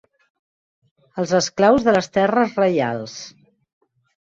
Els esclaus de les terres reials.